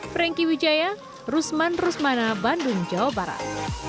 franky wijaya rusman rusmana bandung jawa barat